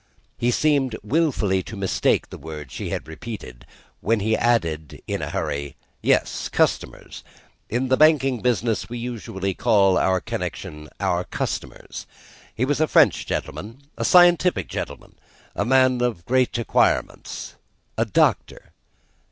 He seemed wilfully to mistake the word she had repeated, when he added, in a hurry, "Yes, customers; in the banking business we usually call our connection our customers. He was a French gentleman; a scientific gentleman; a man of great acquirements a Doctor."